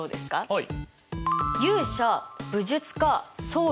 はい。